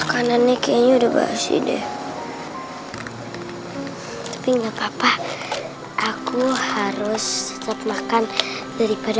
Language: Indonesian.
terima kasih atas dukunganmu